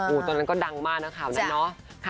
อู๋ตัวนั้นก็ดังมากนะครับแบบนั้นเนาะ